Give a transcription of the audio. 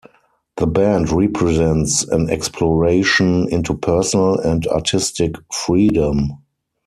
The band represents an exploration into personal and artistic freedom.